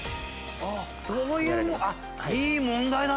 そういういい問題だね！